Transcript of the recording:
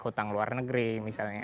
hutang luar negeri misalnya